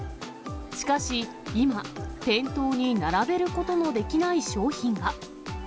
しかし、今、店頭に並べることのできない商品が。